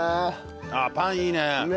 ああパンいいね。